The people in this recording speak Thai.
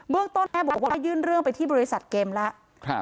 เรื่องต้นแม่บอกว่ายื่นเรื่องไปที่บริษัทเกมแล้ว